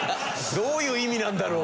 どういう意味なんだろう？